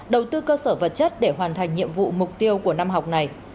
đầu tư cơ sở vật chất để hoàn thành nhiệm vụ mục tiêu của năm học này